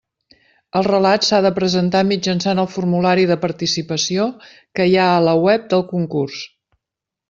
El relat s'ha de presentar mitjançant el formulari de participació que hi ha a la web del concurs.